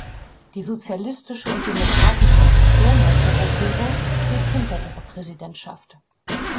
Die Sozialistische und Demokratische Fraktion, Herr Zapatero, steht hinter Ihrer Präsidentschaft.